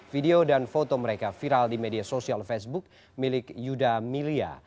video dan foto mereka viral di media sosial facebook milik yuda milia